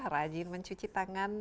rajin mencuci tangan